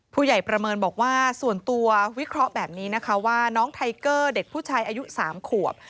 ประเมินบอกว่าส่วนตัววิเคราะห์แบบนี้นะคะว่าน้องไทเกอร์เด็กผู้ชายอายุ๓ขวบ